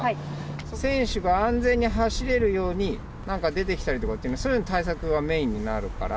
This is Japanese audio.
選手が安全に走れるように、なんか出てきたりという、そういうのの対策がメインになるから。